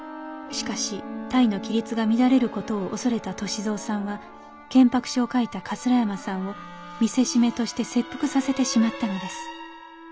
しかし隊の規律が乱れる事を恐れた歳三さんは建白書を書いた山さんを見せしめとして切腹させてしまったのです。